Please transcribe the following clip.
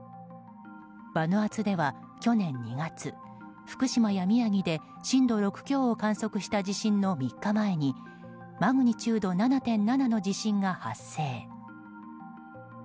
バヌアツでは去年２月、福島や宮城で震度６強を観測した地震の３日前にマグニチュード７．７の地震が発生。